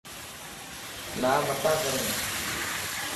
نامتان ڪرين